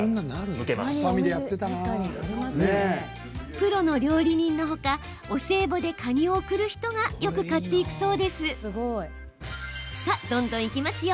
プロの料理人のほかお歳暮でカニを贈る人がよく買っていくそう。